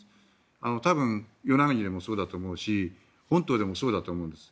多分、与那国でもそうだと思うし本島でもそうだと思うんです。